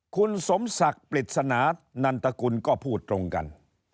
คุณสมศักดิ์ปริศนานันตกุลก็พูดตรงกัน